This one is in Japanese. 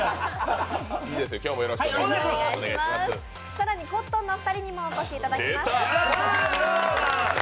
更にコットンのお二人にもお越しいただきました。